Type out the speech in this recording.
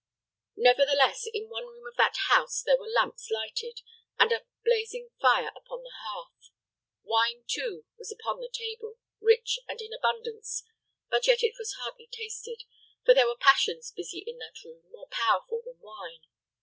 Nevertheless, in one room of that house there were lamps lighted, and a blazing fire upon the hearth. Wine, too, was upon the table, rich, and in abundance; but yet it was hardly tasted; for there were passions busy in that room, more powerful than wine.